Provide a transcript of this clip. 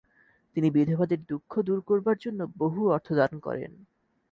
তিনি বিধবাদের দুংখ দূর করবার জন্য বহু অর্থ দান করেন।